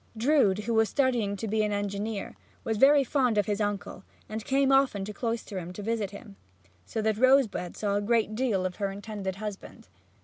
Drood, who was studying to be an engineer, was very fond of his uncle and came often to Cloisterham to visit him, so that Rosebud saw a great deal of her intended husband.